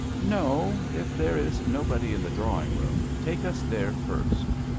"No; if there is nobody in the drawing room, take us there first.